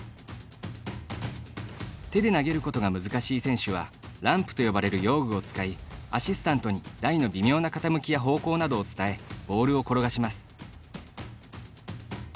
手で投げることが難しい選手はランプと呼ばれる用具を使いアシスタントに、台の微妙な傾きや方向などを伝えボールを転がします。